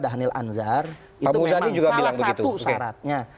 itu memang salah satu syaratnya